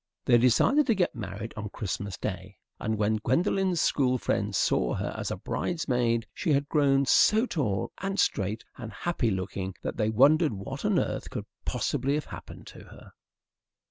They decided to get married on Christmas Day, and when Gwendolen's school friends saw her as a bridesmaid she had grown so tall and straight and happy looking that they wondered what on earth could possibly have happened to her.